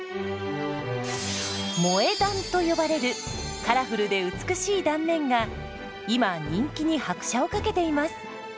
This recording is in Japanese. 「萌え断」と呼ばれるカラフルで美しい断面が今人気に拍車をかけています。